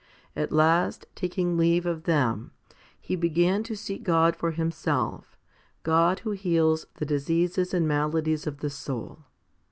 At last, taking leave of them, he began to seek God for him self, God who heals the diseases and maladies of the soul.